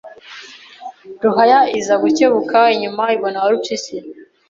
Ruhaya iza gukebuka inyuma ibona Warupyisi